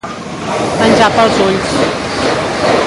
Menjar pels ulls.